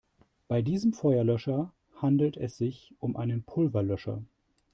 Bei diesem Feuerlöscher handelt es sich um einen Pulverlöscher.